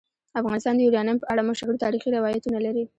افغانستان د یورانیم په اړه مشهور تاریخی روایتونه لري.